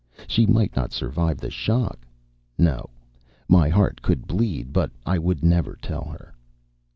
She might not survive the shock! No, my heart could bleed, but I would never tell her.